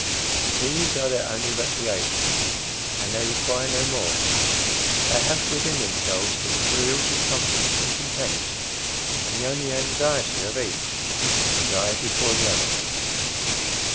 These are their only recreations, and they require no more. They have within themselves, the materials of comfort and content ; and the only anxiety of each, is to die before the other.